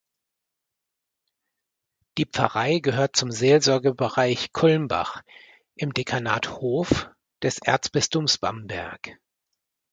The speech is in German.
Die Pfarrei gehört zum Seelsorgebereich Kulmbach im Dekanat Hof des Erzbistums Bamberg.